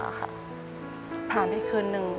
ขอเอ็กซาเรย์แล้วก็เจาะไข่ที่สันหลังค่ะ